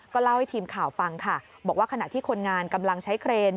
เล่าให้ทีมข่าวฟังค่ะบอกว่าขณะที่คนงานกำลังใช้เครน